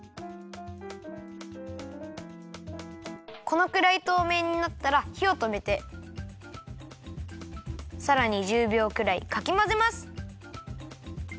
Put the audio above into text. このくらいとうめいになったらひをとめてさらに１０びょうくらいかきまぜます。